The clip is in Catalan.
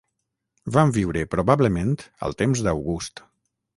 Van viure probablement al temps d'August.